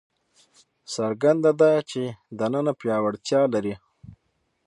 څرګنده ده چې دننه پیاوړتیا لري.